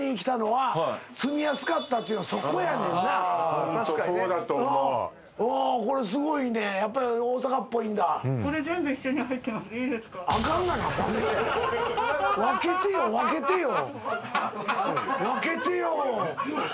これすごいねやっぱり大阪っぽいんだ分けてよ